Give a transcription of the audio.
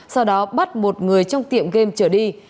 sau đó bắt một người trong tiệm game trở đi